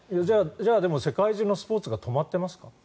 でも世界中のスポーツが止まっていますか？